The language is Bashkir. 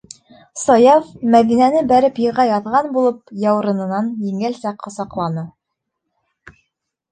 Саяф, Мәҙинәне бәреп йыға яҙған булып, яурынынан еңелсә ҡосаҡланы: